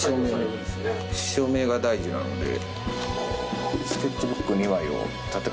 照明が大事なので。